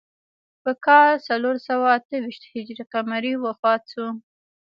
په کال څلور سوه اته ویشت هجري قمري وفات شو.